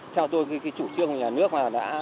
theo tôi cái chủ trương của nhà nước là đã